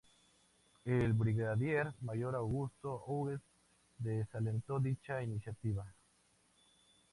El brigadier mayor Augusto Hughes desalentó dicha iniciativa.